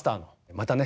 またね「